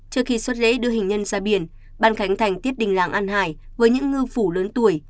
trước khi xuất lễ đưa hình nhân ra biển ban khánh thành tiết đình làng an hải với những ngư phủ lớn tuổi